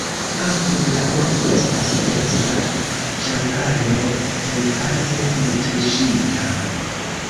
Apud la urbo estas densa ĝangalo, plejparte netuŝita.